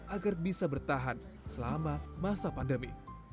agar bisa bertahan selama masa pandemi